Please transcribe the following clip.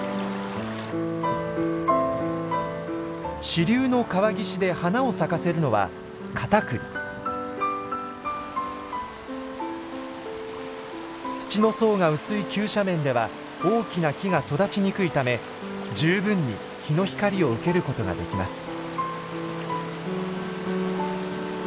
支流の川岸で花を咲かせるのは土の層が薄い急斜面では大きな木が育ちにくいため十分に日の光を受けることができます。